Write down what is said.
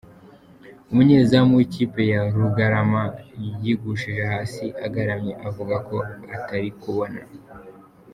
Umunyezamu w’ikipe ya Rugarama yigushije hasi agaramye avuga ko atari kubona.